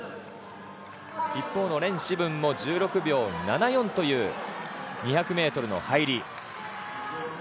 一方のレン・シブンも１６秒７４という２００ｍの入り。